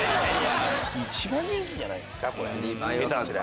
一番人気じゃないですか下手すりゃ。